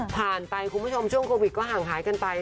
ผ่านไปคุณผู้ชมช่วงโกวิทย์ก็ห่างหายกันไป